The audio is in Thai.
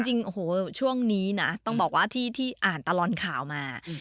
จริงโอ้โหช่วงนี้นะต้องบอกว่าที่อ่านตลอดข่าวมา